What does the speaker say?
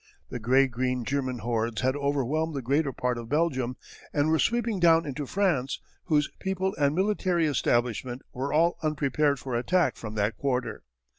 The grey green German hordes had overwhelmed the greater part of Belgium and were sweeping down into France whose people and military establishment were all unprepared for attack from that quarter.